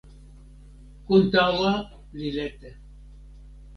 kon tawa li lete.